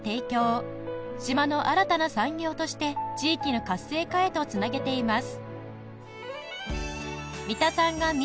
島の新たな産業として地域の活性化へとつなげています